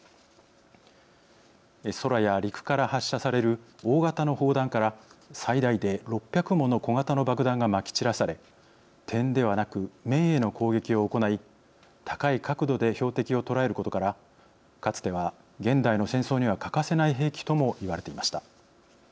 空や陸から発射される大型の砲弾から最大で６００もの小型の爆弾がまき散らされ点ではなく面への攻撃を行い高い確度で標的を捉えることからかつては現代の戦争には欠かせない兵器とも言われていました。